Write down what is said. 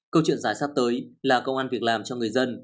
câu chuyện dài sắp tới là công an việc làm cho người dân